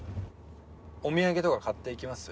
お土産とか買っていきます？